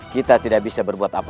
kita tidak mog boleh berbuat apa apa